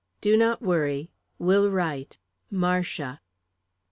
Do not worry. Will write. "Marcia."